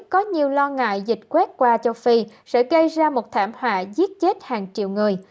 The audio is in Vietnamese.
có nhiều lo ngại dịch quét qua châu phi sẽ gây ra một thảm họa giết chết hàng triệu người